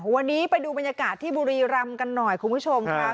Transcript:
วันนี้ไปดูบรรยากาศที่บุรีรำกันหน่อยคุณผู้ชมครับ